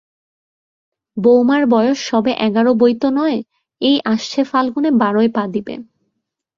বউমার বয়স সবে এগারো বৈ তো নয়, এই আসছে ফাল্গুনে বারোয় পা দিবে।